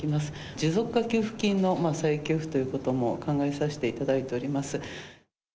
持続化給付金の再給付ということも考えさせていただいております。